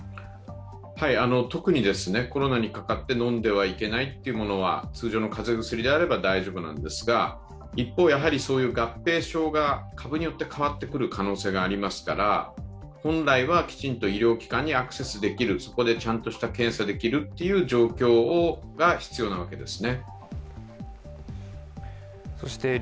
特にコロナにかかって飲んではいけないというものは、通常の風邪薬であれば大丈夫なんですが、一方、合併症が株によって変わってくる可能性がありますから本来はきちんと医療機関にアクセスできる、ちゃんと検査できる状況が必要なわけです。